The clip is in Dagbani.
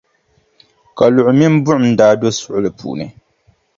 Kaluɣi mini buɣum n-daa do suɣuli puuni.